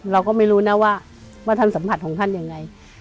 เราก็ไม่รู้นะว่าท่านสัมผัสของท่านยังไง